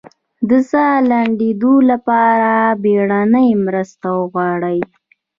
د ساه د لنډیدو لپاره بیړنۍ مرسته وغواړئ